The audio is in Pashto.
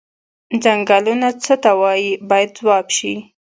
څنګلونه څه ته وایي باید ځواب شي.